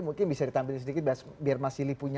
mungkin bisa ditampilin sedikit biar mas sili punya